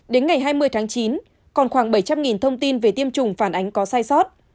đến ngày hai mươi tháng chín còn khoảng bảy trăm linh thông tin về tiêm chủng phản ánh có sai sót